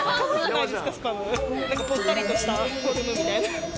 ぽったりとしたフォルムみたいな。